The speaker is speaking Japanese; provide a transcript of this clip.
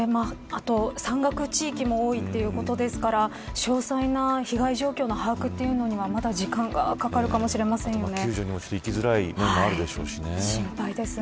あと、山岳地域も多いということですから詳細な被害状況の把握というのには、まだ時間が救助にも行きづらい面もあるでしょうしね。